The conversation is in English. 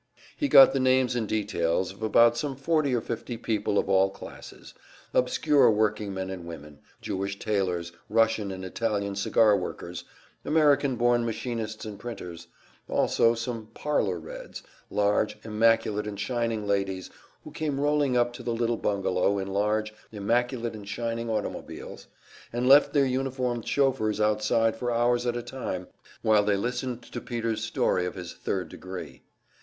He got the names and details about some forty or fifty people of all classes; obscure workingmen and women, Jewish tailors, Russian and Italian cigar workers, American born machinists and printers; also some "parlor Reds" large, immaculate and shining ladies who came rolling up to the little bungalow in large, immaculate and shining automobiles, and left their uniformed chauffeurs outside for hours at a time while they listened to Peter's story of his "third degree."